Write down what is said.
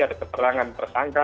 ada keterangan tersangka